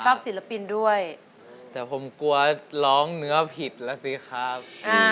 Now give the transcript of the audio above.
ศิลปินด้วยแต่ผมกลัวร้องเนื้อผิดแล้วสิครับ